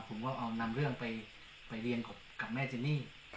ผมก็เอานำเรื่องไปเรียนกับแม่เจนี่